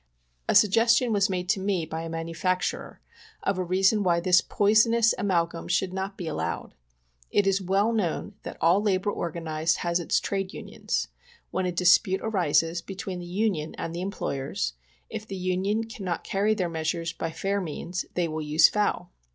A suggestion was made to me by a manufacturer, of a rea son why this poisonous amalgum should not be allowed. It is well known that all labor organized has its trades unions. When a dispute arises between the union and the employers, if the union cannot carry their measures by fair means they use foul.